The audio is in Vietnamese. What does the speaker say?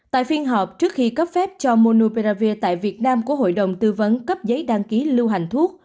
tại phiên họp trước khi cấp phép cho monouperavir tại việt nam của hội đồng tư vấn cấp giấy đăng ký lưu hành thuốc